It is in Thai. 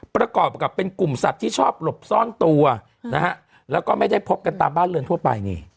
ประกอบกับเป็นกลุ่มสัตว์ที่ชอบหลบซ่อนตัวนะฮะแล้วก็ไม่ได้พบกันตามบ้านเรือนทั่วไปนี่